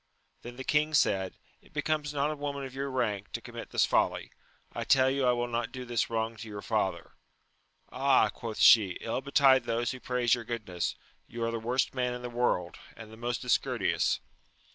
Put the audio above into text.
Then the king said, It becomes not a woman of your rank to commit this folly : I tell you I will not do this wrong to your father. Ah, quoth she, ill betide those who praise your goodness ! you are the worst man in the world, and the most discourteous